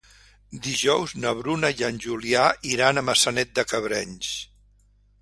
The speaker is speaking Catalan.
Dijous na Bruna i en Julià iran a Maçanet de Cabrenys.